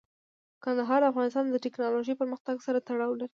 کندهار د افغانستان د تکنالوژۍ پرمختګ سره تړاو لري.